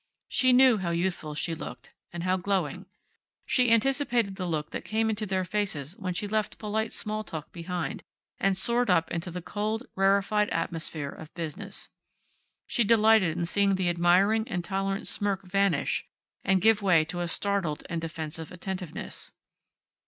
She knew how youthful she looked, and how glowing. She anticipated the look that came into their faces when she left polite small talk behind and soared up into the cold, rarefied atmosphere of business. She delighted in seeing the admiring and tolerant smirk vanish and give way to a startled and defensive attentiveness.